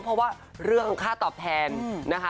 เพราะว่าเรื่องค่าตอบแทนนะคะ